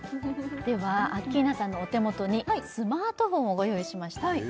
ではアッキーナさんのお手元にスマートフォンをご用意しました